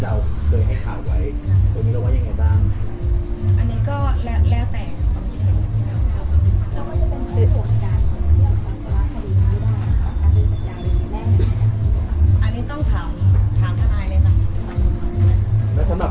แล้วสำหรับเราน่ะวันนั้นที่เราเสร็จสัญญาเราเป็นอย่างไรบ้าง